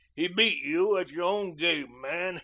He beat you at your own game, man.